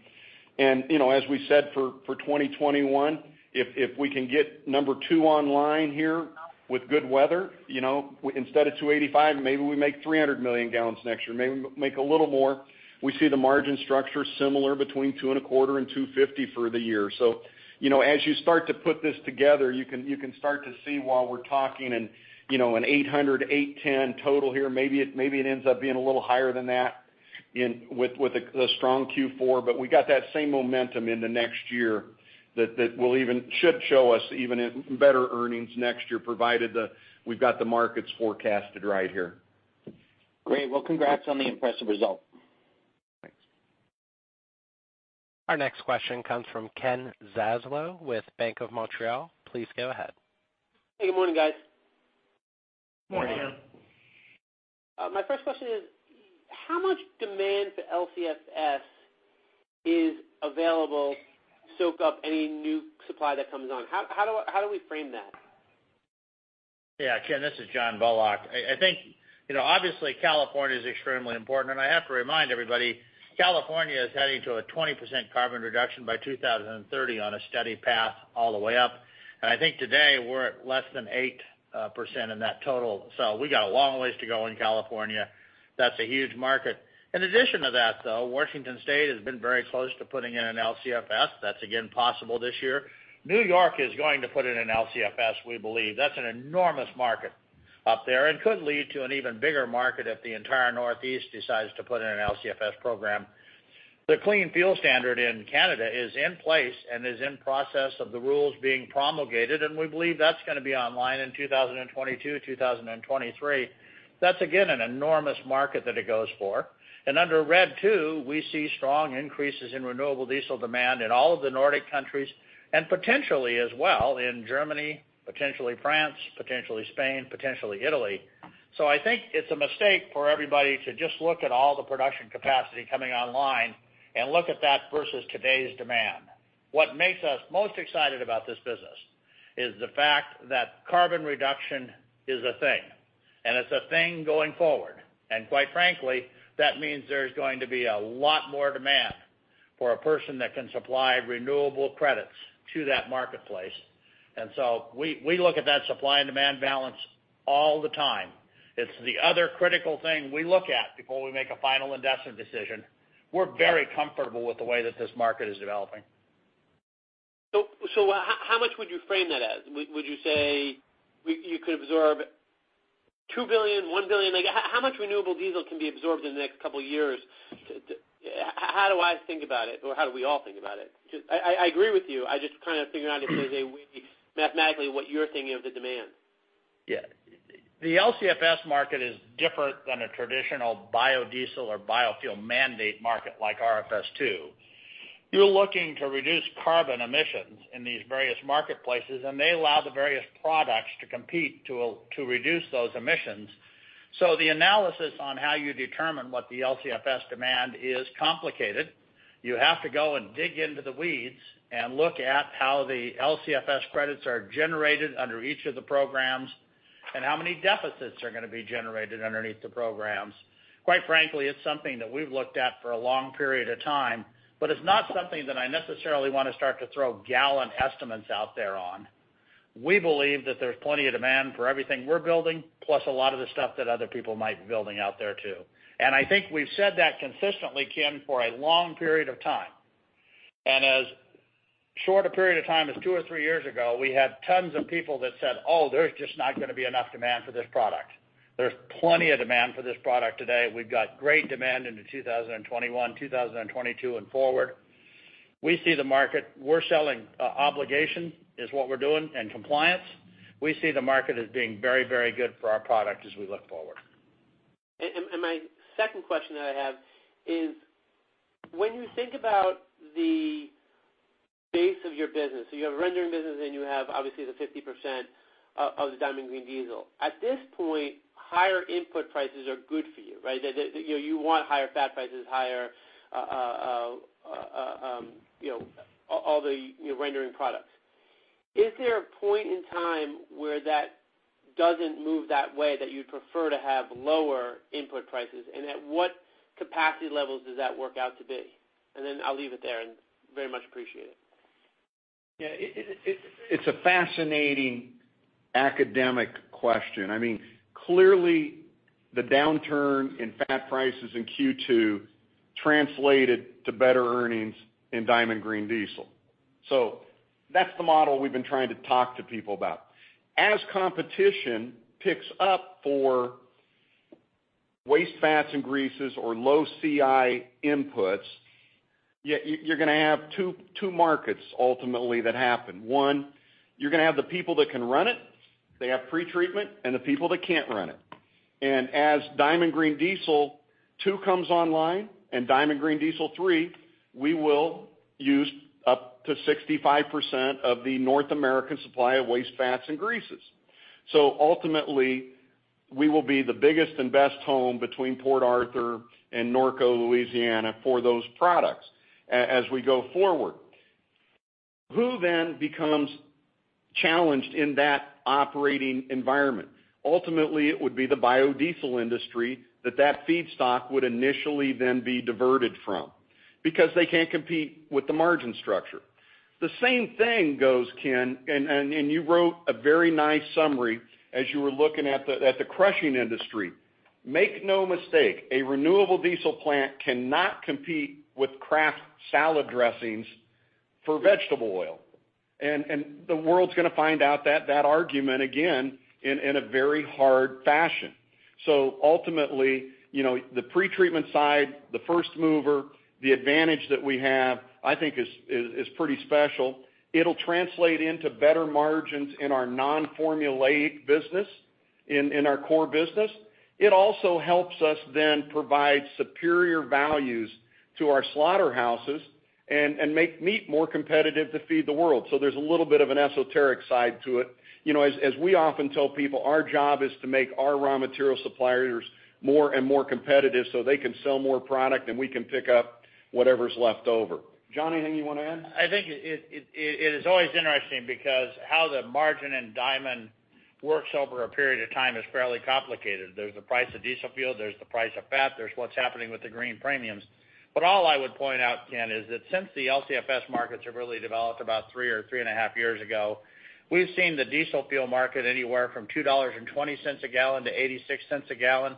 And as we said for 2021, if we can get number two online here with good weather, instead of 285, maybe we make 300 million gallons next year. Maybe we make a little more. We see the margin structure similar between $2.25 and $2.50 for the year. So as you start to put this together, you can start to see while we're talking an $800-$810 total here. Maybe it ends up being a little higher than that with a strong Q4, but we got that same momentum in the next year that should show us even better earnings next year, provided we've got the markets forecasted right here. Great. Well, congrats on the impressive result. Thanks. Our next question comes from Ken Zaslow with Bank of Montreal. Please go ahead. Hey, good morning, guys. Morning. Morning. My first question is, how much demand for LCFS is available to soak up any new supply that comes on? How do we frame that? Yeah, Ken, this is John Bullock. I think obviously California is extremely important, and I have to remind everybody California is heading to a 20% carbon reduction by 2030 on a steady path all the way up. I think today we're at less than 8% in that total. So we got a long ways to go in California. That's a huge market. In addition to that, though, Washington State has been very close to putting in an LCFS. That's again possible this year. New York is going to put in an LCFS, we believe. That's an enormous market up there and could lead to an even bigger market if the entire Northeast decides to put in an LCFS program. The Clean Fuel Standard in Canada is in place and is in process of the rules being promulgated, and we believe that's going to be online in 2022, 2023. That's again an enormous market that it goes for. And under RED II, we see strong increases in renewable diesel demand in all of the Nordic countries and potentially as well in Germany, potentially France, potentially Spain, potentially Italy. So I think it's a mistake for everybody to just look at all the production capacity coming online and look at that versus today's demand. What makes us most excited about this business is the fact that carbon reduction is a thing, and it's a thing going forward. And quite frankly, that means there's going to be a lot more demand for a person that can supply renewable credits to that marketplace. And so we look at that supply and demand balance all the time. It's the other critical thing we look at before we make a final investment decision. We're very comfortable with the way that this market is developing. So, how much would you frame that as? Would you say you could absorb 2 billion, 1 billion? How much renewable diesel can be absorbed in the next couple of years? How do I think about it, or how do we all think about it? I agree with you. I just kind of figured out if there's a way mathematically what you're thinking of the demand. Yeah. The LCFS market is different than a traditional biodiesel or biofuel mandate market like RFS2. You're looking to reduce carbon emissions in these various marketplaces, and they allow the various products to compete to reduce those emissions. So the analysis on how you determine what the LCFS demand is complicated. You have to go and dig into the weeds and look at how the LCFS credits are generated under each of the programs and how many deficits are going to be generated underneath the programs. Quite frankly, it's something that we've looked at for a long period of time, but it's not something that I necessarily want to start to throw gallon estimates out there on. We believe that there's plenty of demand for everything we're building, plus a lot of the stuff that other people might be building out there too. I think we've said that consistently, Ken, for a long period of time. As short a period of time as two or three years ago, we had tons of people that said, "Oh, there's just not going to be enough demand for this product." There's plenty of demand for this product today. We've got great demand into 2021, 2022, and forward. We see the market. We're selling obligation is what we're doing and compliance. We see the market as being very, very good for our product as we look forward. My second question that I have is, when you think about the base of your business, so you have a rendering business and you have obviously the 50% of the Diamond Green Diesel. At this point, higher input prices are good for you, right? You want higher fat prices, higher all the rendering products. Is there a point in time where that doesn't move that way that you'd prefer to have lower input prices? And at what capacity levels does that work out to be? And then I'll leave it there and very much appreciate it. Yeah. It's a fascinating academic question. I mean, clearly the downturn in fat prices in Q2 translated to better earnings in Diamond Green Diesel. So that's the model we've been trying to talk to people about. As competition picks up for waste fats and greases or low CI inputs, you're going to have two markets ultimately that happen. One, you're going to have the people that can run it. They have pretreatment and the people that can't run it. And as Diamond Green Diesel Two comes online and Diamond Green Diesel Three, we will use up to 65% of the North American supply of waste fats and greases. So ultimately, we will be the biggest and best home between Port Arthur and Norco, Louisiana for those products as we go forward. Who then becomes challenged in that operating environment? Ultimately, it would be the biodiesel industry that feedstock would initially then be diverted from because they can't compete with the margin structure. The same thing goes, Ken, and you wrote a very nice summary as you were looking at the crushing industry. Make no mistake, a renewable diesel plant cannot compete with Kraft salad dressings for vegetable oil. And the world's going to find out that argument again in a very hard fashion. So ultimately, the pretreatment side, the first mover, the advantage that we have, I think is pretty special. It'll translate into better margins in our non-formulaic business, in our core business. It also helps us then provide superior values to our slaughterhouses and make meat more competitive to feed the world. So there's a little bit of an esoteric side to it. As we often tell people, our job is to make our raw material suppliers more and more competitive so they can sell more product and we can pick up whatever's left over. John, anything you want to add? I think it is always interesting because how the margin in Diamond works over a period of time is fairly complicated. There's the price of diesel fuel, there's the price of fat, there's what's happening with the green premiums. But all I would point out, Ken, is that since the LCFS markets have really developed about three or three and a half years ago, we've seen the diesel fuel market anywhere from $2.20-$0.86 a gallon.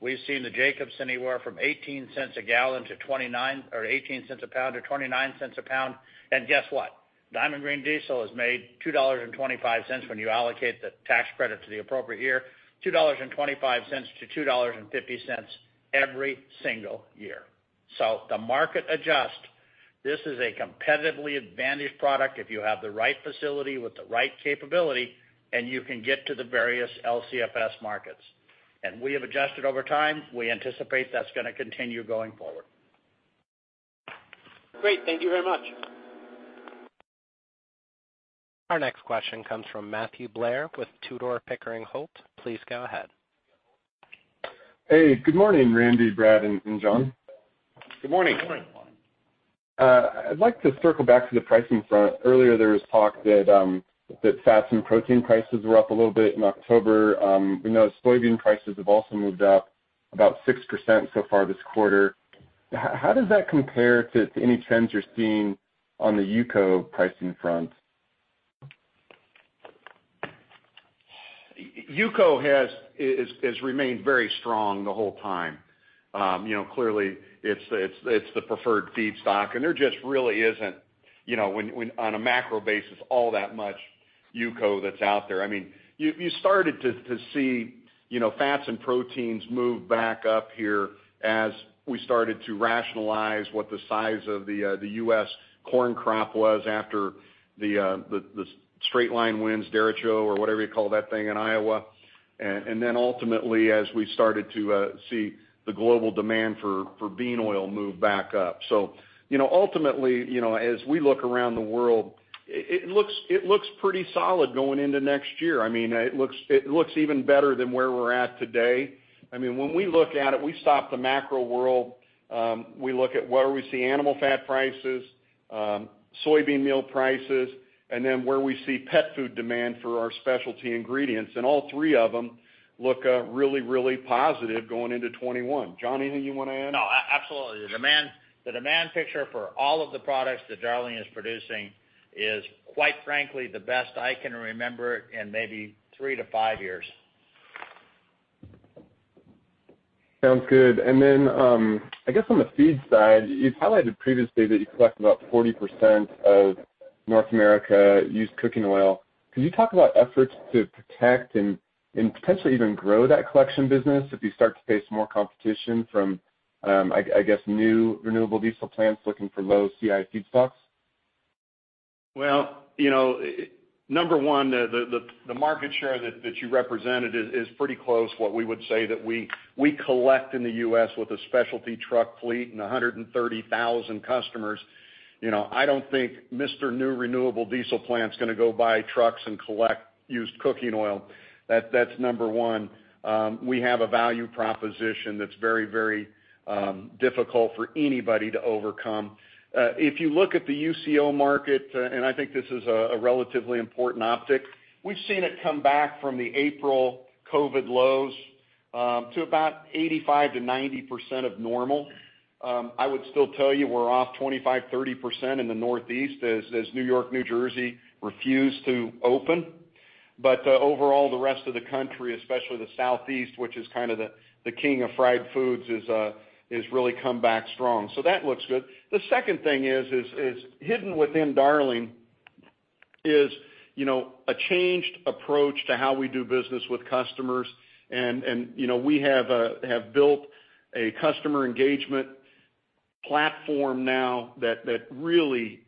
We've seen the fat anywhere from $0.18 a gallon to $0.29 or $0.18 a pound to $0.29 a pound. And guess what? Diamond Green Diesel is made $2.25 when you allocate the tax credit to the appropriate year, $2.25-$2.50 every single year. So the market adjusts. This is a competitively advantaged product if you have the right facility with the right capability, and you can get to the various LCFS markets. We have adjusted over time. We anticipate that's going to continue going forward. Great. Thank you very much. Our next question comes from Matthew Blair with Tudor, Pickering, Holt. Please go ahead. Hey, good morning, Randy, Brad, and John. Good morning. I'd like to circle back to the pricing front. Earlier, there was talk that fat and protein prices were up a little bit in October. We know soybean prices have also moved up about 6% so far this quarter. How does that compare to any trends you're seeing on the UCO pricing front? UCO has remained very strong the whole time. Clearly, it's the preferred feedstock, and there just really isn't, on a macro basis, all that much UCO that's out there. I mean, you started to see fats and proteins move back up here as we started to rationalize what the size of the U.S. corn crop was after the straight-line winds, Derecho or whatever you call that thing in Iowa. And then ultimately, as we started to see the global demand for bean oil move back up. So ultimately, as we look around the world, it looks pretty solid going into next year. I mean, it looks even better than where we're at today. I mean, when we look at it, we stop the macro world. We look at where we see animal fat prices, soybean meal prices, and then where we see pet food demand for our specialty ingredients. And all three of them look really, really positive going into 2021. John, anything you want to add? No, absolutely. The demand picture for all of the products that Darling is producing is, quite frankly, the best I can remember it in maybe three to five years. Sounds good. And then I guess on the feed side, you've highlighted previously that you collect about 40% of North American used cooking oil. Could you talk about efforts to protect and potentially even grow that collection business if you start to face more competition from, I guess, new renewable diesel plants looking for low CI feedstocks? Number one, the market share that you represented is pretty close. What we would say that we collect in the U.S. with a specialty truck fleet and 130,000 customers. I don't think a new renewable diesel plant's going to go buy trucks and collect used cooking oil. That's number one. We have a value proposition that's very, very difficult for anybody to overcome. If you look at the UCO market, and I think this is a relatively important optic, we've seen it come back from the April COVID lows to about 85%-90% of normal. I would still tell you we're off 25%-30% in the Northeast as New York, New Jersey refuse to open. But overall, the rest of the country, especially the Southeast, which is kind of the king of fried foods, has really come back strong. So that looks good. The second thing is hidden within Darling is a changed approach to how we do business with customers, and we have built a customer engagement platform now that really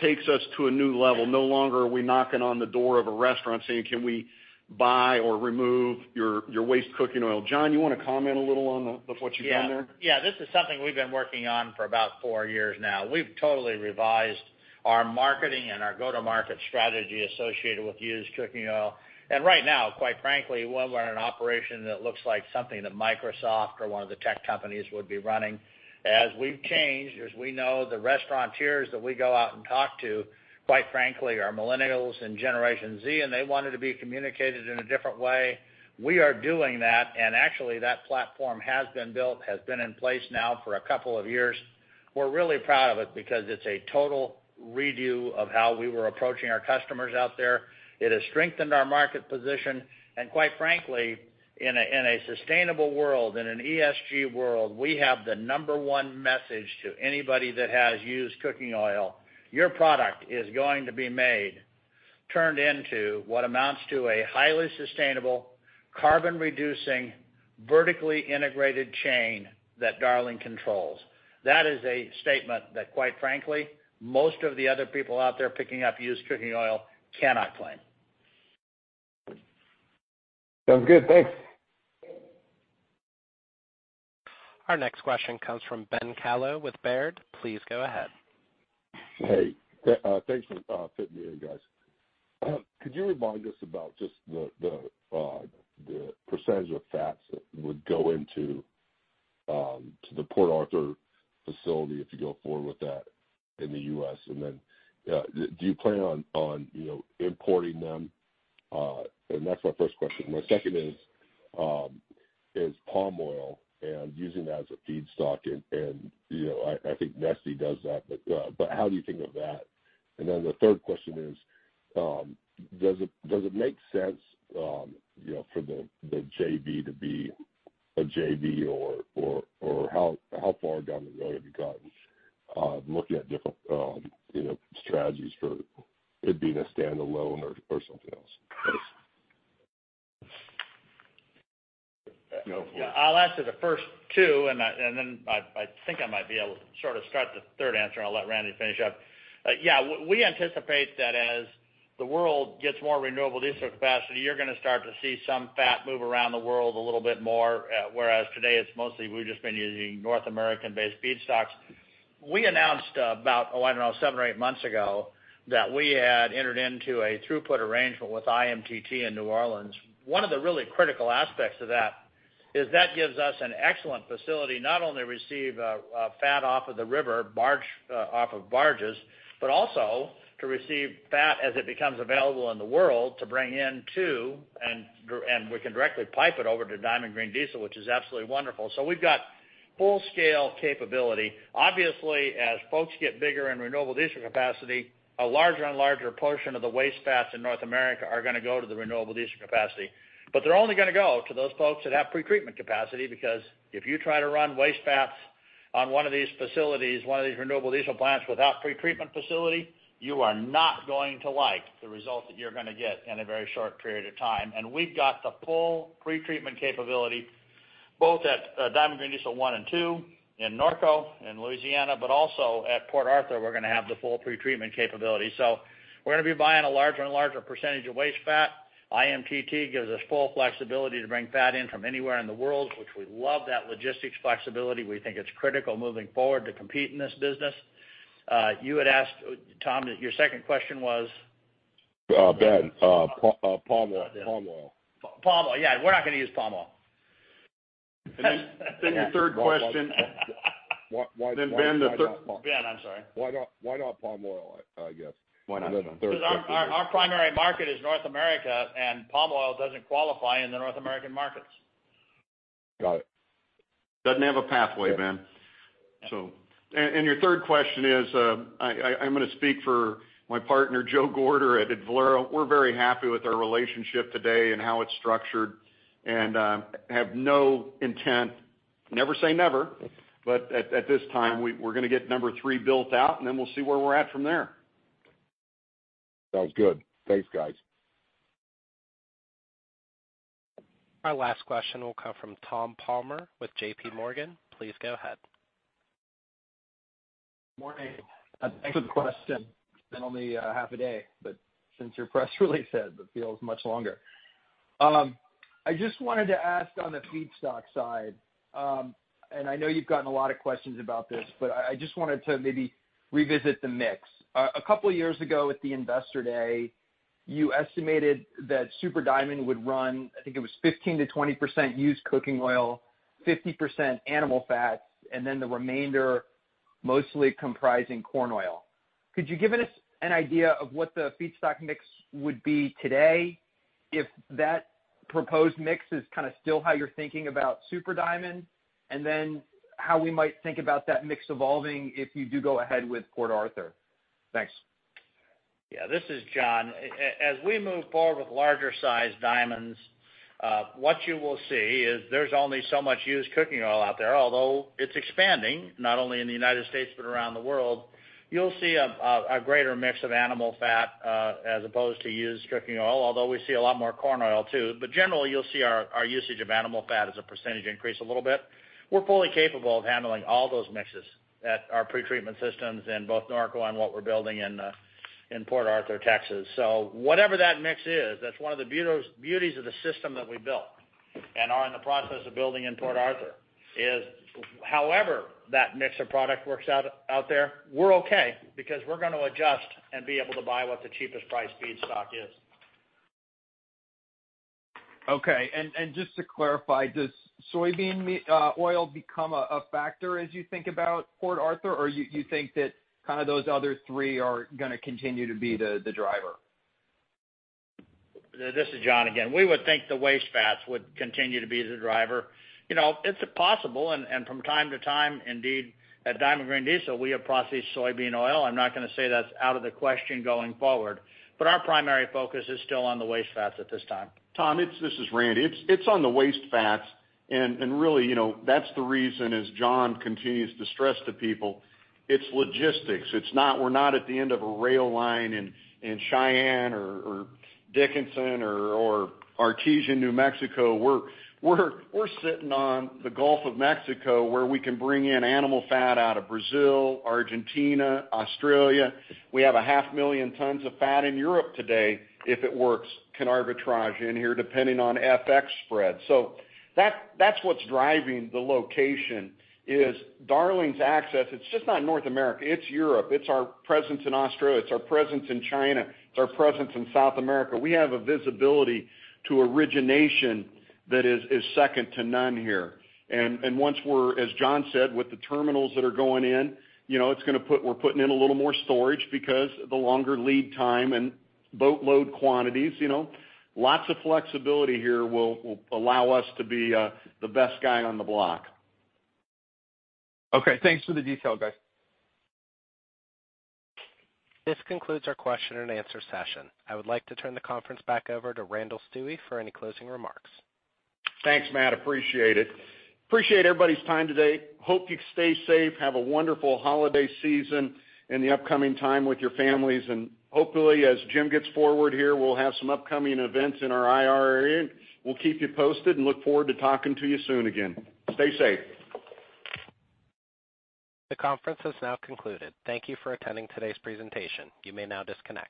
takes us to a new level. No longer are we knocking on the door of a restaurant saying, "Can we buy or remove your waste cooking oil?" John, you want to comment a little on what you've done there? Yeah. Yeah. This is something we've been working on for about four years now. We've totally revised our marketing and our go-to-market strategy associated with used cooking oil. And right now, quite frankly, we're in an operation that looks like something that Microsoft or one of the tech companies would be running. As we've changed, as we know, the restaurateurs that we go out and talk to, quite frankly, are millennials and Generation Z, and they wanted to be communicated in a different way. We are doing that. And actually, that platform has been built, has been in place now for a couple of years. We're really proud of it because it's a total redo of how we were approaching our customers out there. It has strengthened our market position. And quite frankly, in a sustainable world, in an ESG world, we have the number one message to anybody that has used cooking oil, "Your product is going to be made turned into what amounts to a highly sustainable, carbon-reducing, vertically integrated chain that Darling controls." That is a statement that, quite frankly, most of the other people out there picking up used cooking oil cannot claim. Sounds good. Thanks. Our next question comes from Ben Kallo with Baird. Please go ahead. Hey. Thanks for fitting me in, guys. Could you remind us about just the percentage of fats that would go into the Port Arthur facility, if you go forward with that in the U.S.? And then do you plan on importing them? And that's my first question. My second is palm oil and using that as a feedstock. And I think Neste does that. But how do you think of that? And then the third question is, does it make sense for the JV to be a JV, or how far down the road have you gotten looking at different strategies for it being a standalone or something else? I'll answer the first two, and then I think I might be able to sort of start the third answer, and I'll let Randy finish up. Yeah. We anticipate that as the world gets more renewable diesel capacity, you're going to start to see some fat move around the world a little bit more, whereas today it's mostly we've just been using North American-based feedstocks. We announced about, oh, I don't know, seven or eight months ago that we had entered into a throughput arrangement with IMTT in New Orleans. One of the really critical aspects of that is that gives us an excellent facility not only to receive fat off of the river, off of barges, but also to receive fat as it becomes available in the world to bring in too, and we can directly pipe it over to Diamond Green Diesel, which is absolutely wonderful. So we've got full-scale capability. Obviously, as folks get bigger in renewable diesel capacity, a larger and larger portion of the waste fats in North America are going to go to the renewable diesel capacity. But they're only going to go to those folks that have pretreatment capacity because if you try to run waste fats on one of these facilities, one of these renewable diesel plants without pretreatment facility, you are not going to like the result that you're going to get in a very short period of time. And we've got the full pretreatment capability both at Diamond Green Diesel One and Two in Norco, in Louisiana, but also at Port Arthur. We're going to have the full pretreatment capability. So we're going to be buying a larger and larger percentage of waste fat. IMTT gives us full flexibility to bring fat in from anywhere in the world, which we love that logistics flexibility. We think it's critical moving forward to compete in this business. You had asked, Tom, your second question was? Ben, palm oil. Palm oil. Yeah. We're not going to use palm oil. And then your third question. Then Ben, the third. Ben, I'm sorry. Why not palm oil, I guess? Why not? Because our primary market is North America, and palm oil doesn't qualify in the North American markets. Got it. Doesn't have a pathway, Ben, and your third question is, I'm going to speak for my partner, Joe Gorder at Valero. We're very happy with our relationship today and how it's structured and have no intent. Never say never, but at this time, we're going to get number three built out, and then we'll see where we're at from there. Sounds good. Thanks, guys. Our last question will come from Tom Palmer with J.P. Morgan. Please go ahead. Good morning. Thanks for the question. It's been only half a day, but since your press release said that feels much longer. I just wanted to ask on the feedstock side, and I know you've gotten a lot of questions about this, but I just wanted to maybe revisit the mix. A couple of years ago at the Investor Day, you estimated that Super Diamond would run, I think it was 15%-20% used cooking oil, 50% animal fats, and then the remainder mostly comprising corn oil. Could you give us an idea of what the feedstock mix would be today if that proposed mix is kind of still how you're thinking about Super Diamond, and then how we might think about that mix evolving if you do go ahead with Port Arthur? Thanks. Yeah. This is John. As we move forward with larger-sized DGDs, what you will see is there's only so much used cooking oil out there, although it's expanding, not only in the United States but around the world. You'll see a greater mix of animal fat as opposed to used cooking oil, although we see a lot more corn oil too. But generally, you'll see our usage of animal fat as a percentage increase a little bit. We're fully capable of handling all those mixes at our pretreatment systems in both Norco and what we're building in Port Arthur, Texas. So whatever that mix is, that's one of the beauties of the system that we built and are in the process of building in Port Arthur. However, that mix of product works out there, we're okay because we're going to adjust and be able to buy what the cheapest price feedstock is. Okay. And just to clarify, does soybean oil become a factor as you think about Port Arthur, or you think that kind of those other three are going to continue to be the driver? This is John again. We would think the waste fats would continue to be the driver. It's possible. And from time to time, indeed, at Diamond Green Diesel, we have processed soybean oil. I'm not going to say that's out of the question going forward. But our primary focus is still on the waste fats at this time. Tom, this is Randy. It's on the waste fats, and really, that's the reason, as John continues to stress to people, it's logistics. We're not at the end of a rail line in Cheyenne or Dickinson or Artesia, New Mexico. We're sitting on the Gulf of Mexico where we can bring in animal fat out of Brazil, Argentina, Australia. We have 500,000 tons of fat in Europe today, if it works, can arbitrage in here depending on FX spread. So that's what's driving the location is Darling's access. It's just not North America. It's Europe. It's our presence in Australia. It's our presence in China. It's our presence in South America. We have a visibility to origination that is second to none here. Once we're, as John said, with the terminals that are going in, it's going to put we're putting in a little more storage because the longer lead time and boatload quantities, lots of flexibility here will allow us to be the best guy on the block. Okay. Thanks for the detail, guys. This concludes our question-and-answer session. I would like to turn the conference back over to Randall Stuewe for any closing remarks. Thanks, Matt. Appreciate it. Appreciate everybody's time today. Hope you stay safe. Have a wonderful holiday season in the upcoming time with your families, and hopefully, as Jim gets forward here, we'll have some upcoming events in our IR area. We'll keep you posted and look forward to talking to you soon again. Stay safe. The conference has now concluded. Thank you for attending today's presentation. You may now disconnect.